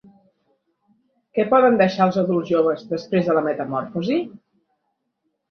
Què poden deixar els adults joves després de la metamorfosi?